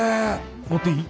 持っていい？